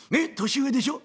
年上でしょ？